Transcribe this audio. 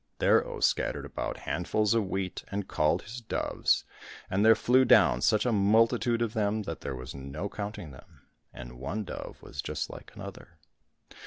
There Oh scattered about handfuls of wheat and called his doves, and there flew down such a multitude of them that there was no counting them, and one dove was just like another.